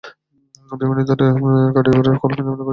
দুই মিনিটের জন্য কাঠিয়াবাড়ের কল নিবন্ধন করেছিলেন?